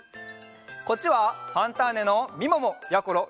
こっちは「ファンターネ！」のみももやころ